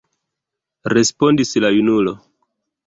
respondis la junulo.